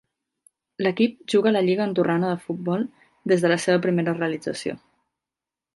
L'equip juga la Lliga andorrana de futbol des de la seva primera realització.